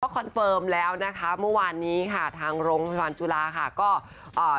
คอนเฟิร์มแล้วนะคะเมื่อวานนี้ค่ะทางโรงพยาบาลจุฬาค่ะก็อ่า